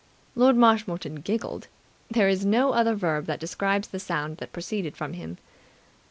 Lord Marshmoreton giggled. There is no other verb that describes the sound that proceeded from him.